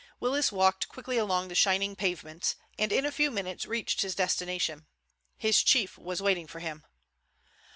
Willis walked quickly along the shining pavements, and in a few minutes reached his destination. His chief was waiting for him.